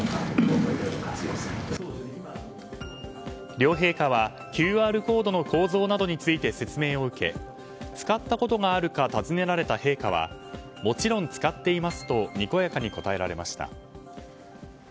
両陛下はＱＲコードの構造などについて説明を受け使ったことがあるか尋ねられた陛下はもちろん使っていますとにこやかに答えられました。